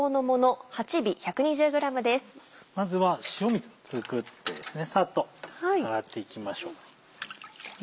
まずは塩水作ってサッと洗っていきましょう。